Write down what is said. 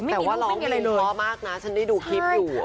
แต่ว่าร้องไปเลยล้อมากนะฉันได้ดูคลิปอยู่